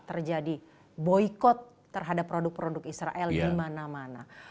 terjadi boykot terhadap produk produk israel di mana mana